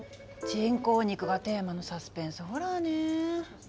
人工肉がテーマのサスペンスホラーねえ。